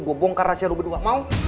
gue bongkar rahasia lo berdua mau